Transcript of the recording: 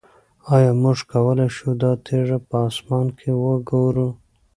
آیا موږ کولی شو دا تیږه په اسمان کې وګورو؟